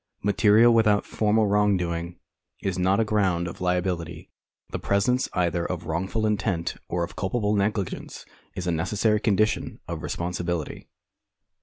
Material without formal wrongdoing is not a ground of liability. The presence either of wrongful intent or of culpable negligence is a necessary condition of responsibility.